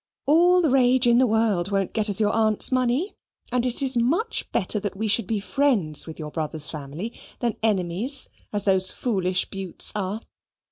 All the rage in the world won't get us your aunt's money; and it is much better that we should be friends with your brother's family than enemies, as those foolish Butes are.